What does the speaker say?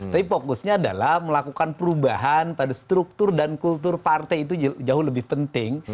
tapi fokusnya adalah melakukan perubahan pada struktur dan kultur partai itu jauh lebih penting